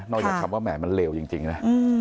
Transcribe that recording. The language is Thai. จากคำว่าแหมมันเลวจริงนะ